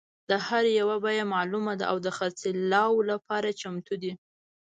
د هر یو بیه معلومه ده او د خرڅلاو لپاره چمتو دي.